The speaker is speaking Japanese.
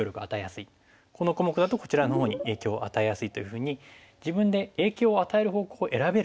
この小目だとこちらのほうに影響を与えやすいというふうに自分で影響を与える方向を選べる。